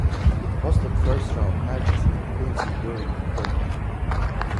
It hosted first round matches in Pool C during the tournament.